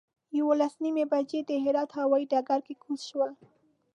یولس نیمې بجې د هرات هوایي ډګر کې کوز شولو.